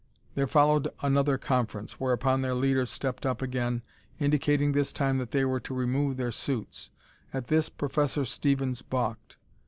There followed another conference, whereupon their leader stepped up again, indicating this time that they were to remove their suits. At this, Professor Stevens balked.